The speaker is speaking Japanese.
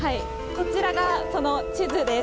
こちらがその地図です。